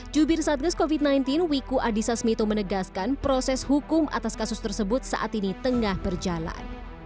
jubir satgas covid sembilan belas wiku adhisa smito menegaskan proses hukum atas kasus tersebut saat ini tengah berjalan